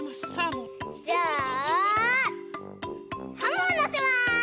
じゃあサーモンのせます！